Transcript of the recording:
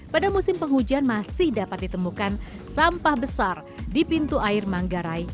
pada musim penghujan masih dapat ditemukan sampah besar di pintu air manggarai